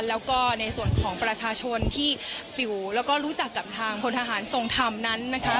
แล้วก็ในส่วนของประชาชนที่ปิวแล้วก็รู้จักกับทางพลทหารทรงธรรมนั้นนะคะ